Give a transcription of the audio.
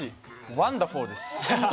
ワンダフルです。